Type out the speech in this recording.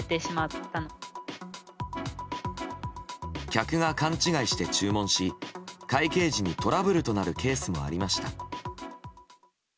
客が勘違いして注文し会計時にトラブルとなるケースもありました。